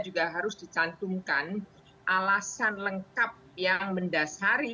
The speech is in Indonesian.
juga harus dicantumkan alasan lengkap yang mendasari